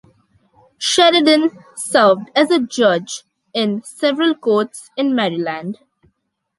Sheredine served as a judge in several courts in Maryland.